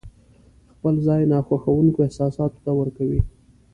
خپل ځای ناخوښونکو احساساتو ته ورکوي.